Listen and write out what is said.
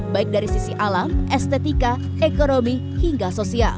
baik dari sisi alam estetika ekonomi hingga sosial